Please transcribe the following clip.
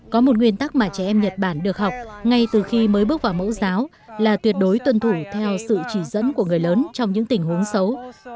có một nguyên tắc mà trẻ em nhật bản được học ngay từ khi mới bước vào mẫu giáo là tuyệt đối tuân thủ theo sự chỉ dẫn của người lớn trong những tình huống xấu